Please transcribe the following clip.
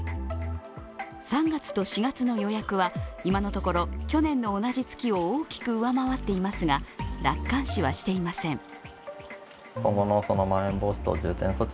３月と４月の予約は今のところ去年の同じ月を大きく上回っていますが楽観視はしていません。